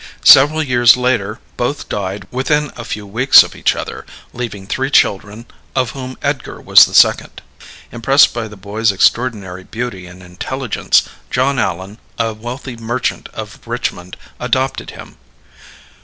Several years later both died within a few weeks of each other, leaving three children, of whom Edgar was the second. Impressed by the boy's extraordinary beauty and intelligence, John Allan, a wealthy merchant of Richmond, adopted him.